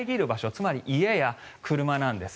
つまり家や車なんです。